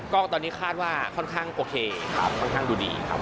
ก็ตอนนี้คาดว่าค่อนข้างโอเคครับค่อนข้างดูดีครับ